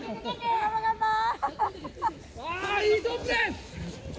ああいいトップです！